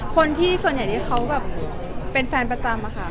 คนที่ส่วนใหญ่ที่เค้าเป็นแฟนประจำ